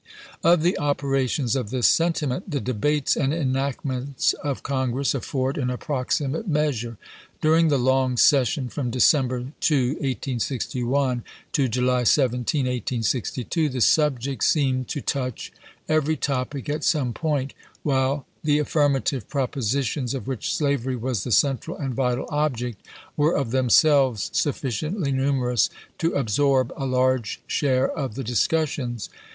Of the operations of this sentiment the debates and enactments of Congress afford an approximate measure. During the long session from December 2, 1861, to July 17, 1862, the subject seemed to touch every topic at some point, while the affirma tive propositions of which slavery was the central and vital object were of themselves sufficiently numerous to absorb a large share of the discus sions.